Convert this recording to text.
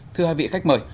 thưa hai vị khách mời